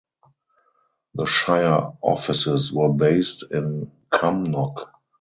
The shire offices were based in Cumnock.